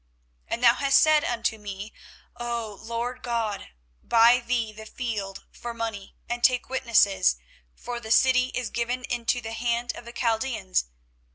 24:032:025 And thou hast said unto me, O Lord GOD, Buy thee the field for money, and take witnesses; for the city is given into the hand of the Chaldeans.